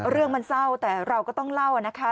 เรื่องมันเศร้าแต่เราก็ต้องเล่านะคะ